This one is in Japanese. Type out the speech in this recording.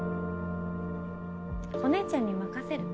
お姉ちゃんに任せる。